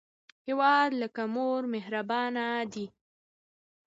هیواد لکه مور مهربانه دی